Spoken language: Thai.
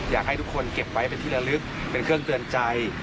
อยากให้ทุกคนเก็บไว้เป็นที่ละลึกเป็นเครื่องเตือนใจ